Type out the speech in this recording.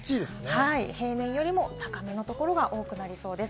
平年よりも高めのところが多くなりそうです。